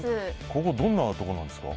これはどんなところなんですか。